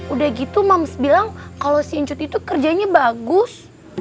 udah gitu mams bilang kalo si encut itu kerjanya bagus